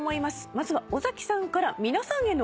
まずは尾崎さんから皆さんへの質問です。